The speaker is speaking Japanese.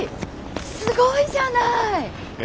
すごいじゃない！え？